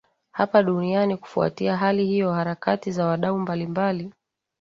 hapa duniani kufuatia hali hiyo harakati za wadau mbalimbali